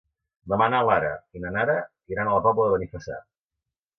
Demà na Lara i na Nara iran a la Pobla de Benifassà.